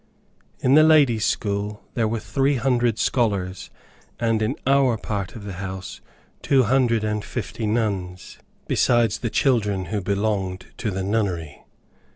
In the ladies' school there were three hundred scholars, and in our part of the house two hundred and fifty nuns, besides the children who belonged to the nunnery.